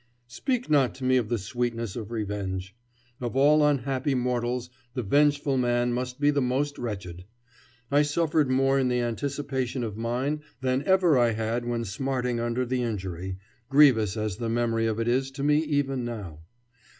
Speak not to me of the sweetness of revenge! Of all unhappy mortals the vengeful man must be the most wretched. I suffered more in the anticipation of mine than ever I had when smarting under the injury, grievous as the memory of it is to me even now.